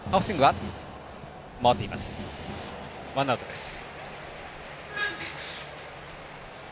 ワンアウトです。